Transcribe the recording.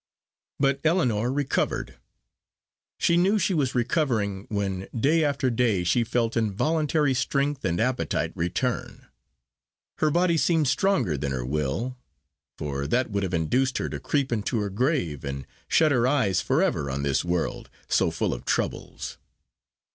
But Ellinor recovered. She knew she was recovering, when day after day she felt involuntary strength and appetite return. Her body seemed stronger than her will; for that would have induced her to creep into her grave, and shut her eyes for ever on this world, so full of troubles.